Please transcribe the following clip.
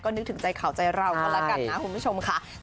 นึกถึงใจเขาใจเราก็แล้วกันนะคุณผู้ชมค่ะ